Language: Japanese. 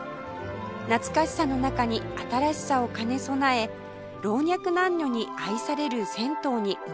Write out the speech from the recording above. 懐かしさの中に新しさを兼ね備え老若男女に愛される銭湯に生まれ変わりました